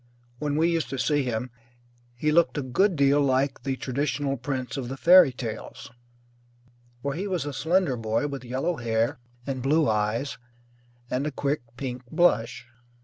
When we used to see him he looked a good deal like the traditional prince of the fairy tales, for he was a slender boy with yellow hair, and blue eyes, and a quick pink blush.